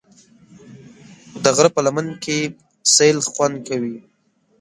د غره په لمن کې سیل خوند کوي.